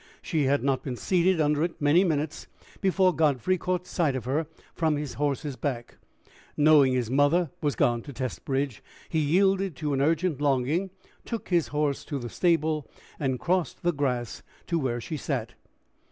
She had not been seated under it many minutes before Godfrey caught sight of her from his horse's back: knowing his mother was gone to Testbridge, he yielded to an urgent longing, took his horse to the stable, and crossed the grass to where she sat.